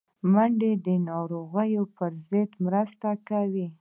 منډه د ناروغیو پر ضد مرسته کوي